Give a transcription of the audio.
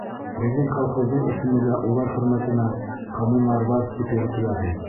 Беҙҙең колхоздың исеме лә улар хөрмәтенә «Коммунарҙар» тип йөрөтөлә бит.